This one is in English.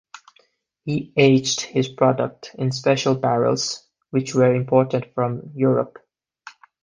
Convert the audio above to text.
He aged his product in special barrels which were imported from Europe.